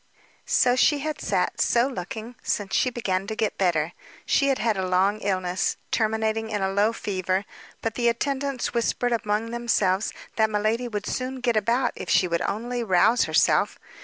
So had she sat, so looking, since she began to get better. She had had a long illness, terminating in a low fever; but the attendants whispered among themselves that miladi would soon get about if she would only rouse herself.